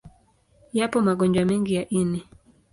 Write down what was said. Yapo magonjwa mengi ya ini.